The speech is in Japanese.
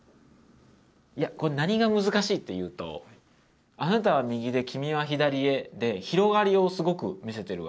いやこれ何が難しいっていうと「あなたはみぎできみはひだりへ」で広がりをすごく見せてるわけですよね。